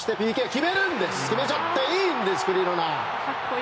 決めちゃっていいんですクリロナ。